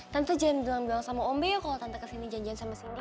tante jangan bilang bilang sama ombe yuk kalau tante kesini janjian sama sindi